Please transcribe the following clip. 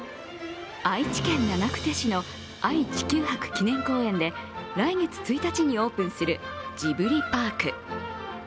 愛知県長久手市の愛・地球博記念公園で来月１日にオープンするジブリパーク。